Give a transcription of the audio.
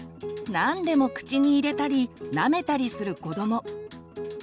何でも口に入れたりなめたりする子ども。